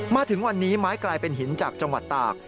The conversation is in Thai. มาถึงวันนี้ไม้กลายเป็นหินจากจังหวัดตาก